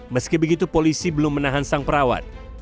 meski begitu polisi belum menahan sang perawat